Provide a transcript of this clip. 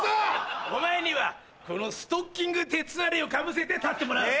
お前にはこのストッキング鉄アレイをかぶせて立ってもらう。